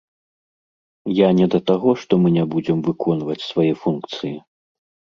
Я не да таго, што мы не будзем выконваць свае функцыі.